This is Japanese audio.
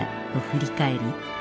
振り返り